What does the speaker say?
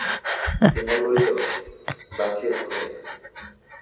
বিমল বললে, বাঁচিয়েছ ভাই।